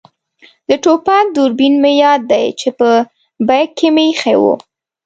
د ټوپک دوربین مې یاد دی چې په بېک کې مې اېښی وو.